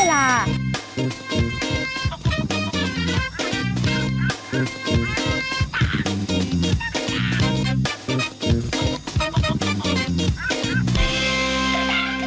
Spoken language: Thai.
โปรดติดตามตอนต่อไป